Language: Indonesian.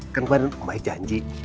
kan kanan om baik janji